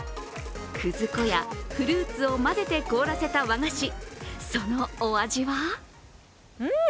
くず粉やフルーツを混ぜて凍らせた和菓子、そのお味は？